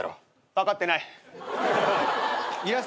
分かってないぞ。